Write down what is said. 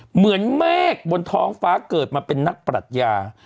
เหมือนเมฆบนท้องฟ้าเกิดมาเป็นนักปรัชญา